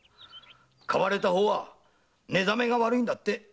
買われた方は寝覚めが悪いんだって！